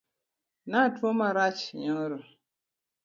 Natuo marach nyoro.